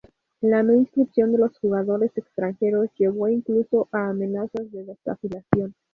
La no inscripción de los jugadores extranjeros llevó incluso a amenazas de desafiliación.